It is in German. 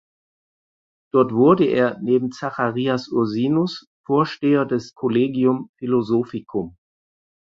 Dort wurde er neben Zacharias Ursinus Vorsteher des Collegium Philosophicum.